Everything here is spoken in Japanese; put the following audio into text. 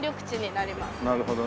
なるほどね。